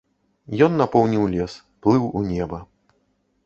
Ён напоўніў лес, плыў у неба.